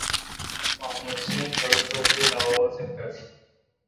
محمد حسین کھݭ کھݭ دے لاہور تھ مݭ۔